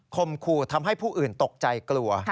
มขู่ทำให้ผู้อื่นตกใจกลัว